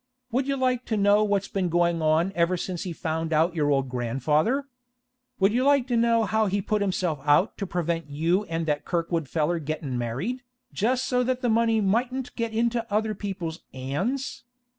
Would you like to know what's been goin' on ever since he found out your old grandfather? Would you like to know how he put himself out to prevent you an' that Kirkwood feller gettin' married, just so that the money mightn't get into other people's 'ands?